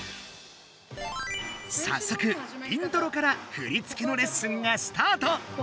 さっそくイントロから振り付けのレッスンがスタート！